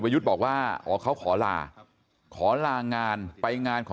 อย่าหล่าง